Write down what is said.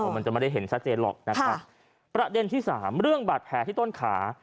มันจะไม่ได้เห็นชัดเจนหรอกนะครับประเด็นที่สามเรื่องบาดแผลที่ต้นขา